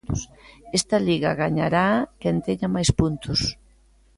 Esta Liga gañaraa quen teña máis puntos.